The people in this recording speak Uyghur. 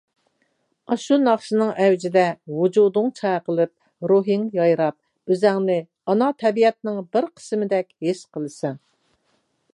ئاشۇ ناخشىنىڭ ئەۋجىدە ۋۇجۇدۇڭ چايقىلىپ، روھىڭ يايراپ ئۆزۈڭنى ئانا تەبىئەتنىڭ بىر قىسمىدەك ھېس قىلىسەن.